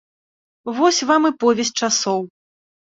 Вось вам і повязь часоў!